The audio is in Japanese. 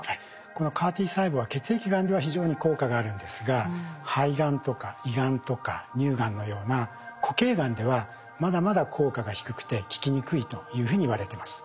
このＣＡＲ−Ｔ細胞は血液がんでは非常に効果があるんですが肺がんとか胃がんとか乳がんのような固形がんではまだまだ効果が低くて効きにくいというふうにいわれてます。